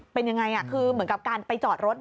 เป็นยังไงคือเหมือนกับการไปจอดรถ